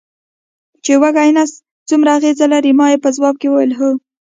چې وږی نس څومره اغېز لري، ما یې په ځواب کې وویل: هو.